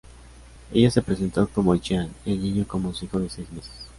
Ella se presentó como Jean y el niño como su hijo de seis meses.